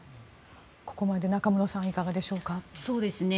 ここまで中室さんいかがでしょうか。